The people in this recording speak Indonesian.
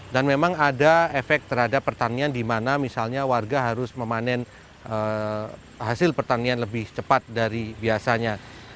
dan memang ada efek terhadap pertanian di mana misalnya warga harus memanen hasil pertanian lebih cepat dari biasanya